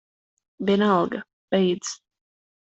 Vienalga. Beidz.